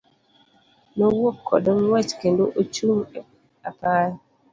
Nowuok koda ng'uech kendo ochung' e apaya.